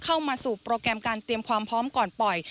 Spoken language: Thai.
เข้ามาสู่โปรแกรมการเตรียมความพร้อมก่อนปล่อย